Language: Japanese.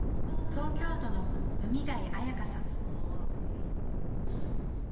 東京都の海貝彩夏さん。